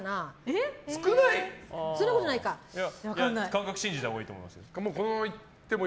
感覚を信じたほうがいいと思いますよ。